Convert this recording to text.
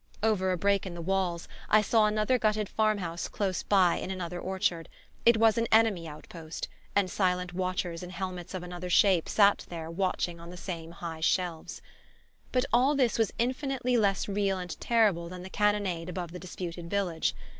Over a break in the walls I saw another gutted farmhouse close by in another orchard: it was an enemy outpost, and silent watchers in helmets of another shape sat there watching on the same high shelves. But all this was infinitely less real and terrible than the cannonade above the disputed village.